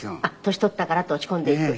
年取ったからって落ち込んでいく。